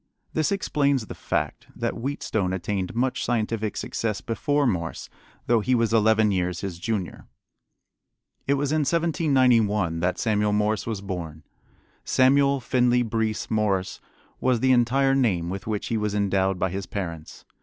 This explains the fact that Wheatstone attained much scientific success before Morse, though he was eleven years his junior. It was in 1791 that Samuel Morse was born. Samuel Finley Breese Morse was the entire name with which he was endowed by his parents.